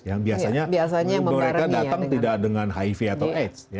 yang biasanya mereka datang tidak dengan hiv atau aids